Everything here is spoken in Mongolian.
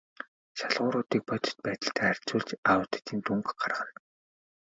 Шалгууруудыг бодит байдалтай харьцуулж аудитын дүнг гаргана.